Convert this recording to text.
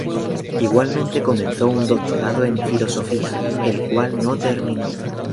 Igualmente comenzó un doctorado en Filosofía, el cual no terminó.